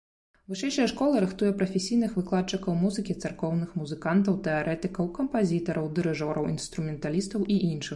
Вышэйшая школа рыхтуе прафесійных выкладчыкаў музыкі, царкоўных музыкантаў, тэарэтыкаў, кампазітараў, дырыжораў, інструменталістаў і іншых.